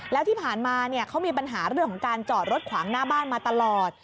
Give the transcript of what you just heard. แล้วที่ผ่านมาเขามีปัญหาเรื่องของการจอดรถขวางหน้าบ้านมาตลอด